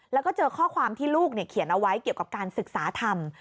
แล้วก็เจอข้อความที่ลูกเขียนเอาไว้เกี่ยวกับการศึกษาธรรม